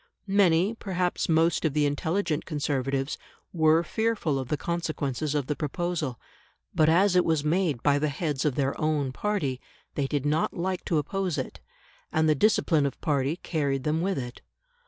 Many, perhaps most of the intelligent Conservatives, were fearful of the consequences of the proposal; but as it was made by the heads of their own party, they did not like to oppose it, and the discipline of party carried them with it.